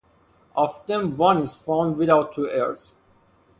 Of them one is found without two ears.